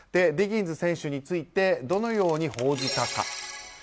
ディギンズ選手についてどのように報じたか。